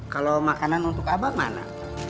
kalau makanan untuk abang mana